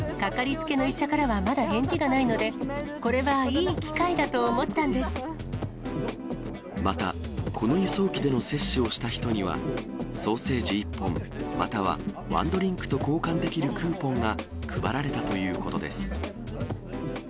かかりつけの医者からはまだ返事がないので、これはいい機会だとまた、この輸送機での接種をした人には、ソーセージ１本、またはワンドリンクと交換できるクーポンが配られたということです。